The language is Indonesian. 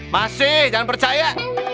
masih jangan percaya